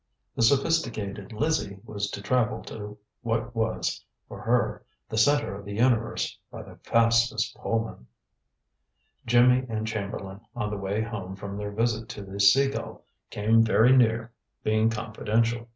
The sophisticated Lizzie was to travel to what was, for her, the center of the universe, by the fastest Pullman. Jimmy and Chamberlain, on the way home from their visit to the Sea Gull, came very near being confidential.